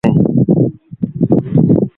لڪآن ميݩ مآڻهآن ريٚݩ ٻنيٚن هوئيݩ ديٚݩ۔